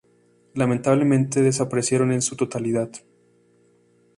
Lamentablemente desaparecieron en su totalidad.